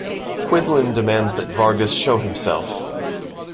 Quinlan demands that Vargas show himself.